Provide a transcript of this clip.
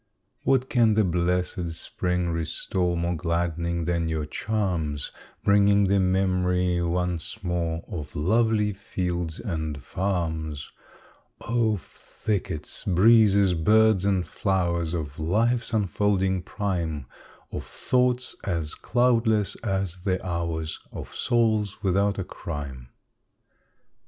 What can the blessed spring restore More gladdening than your charms? Bringing the memory once more Of lovely fields and farms! Of thickets, breezes, birds, and flowers Of life's unfolding prime; Of thoughts as cloudless as the hours; Of souls without a crime.